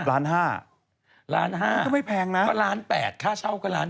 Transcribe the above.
๑๐เดือนก็๑๕๐๐บาท๑๕๐๐บาทก็ไม่แพงนะ๑๘๐๐บาทค่าเช่าก็๑๘๐๐บาท